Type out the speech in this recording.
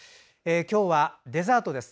今日はデザートです。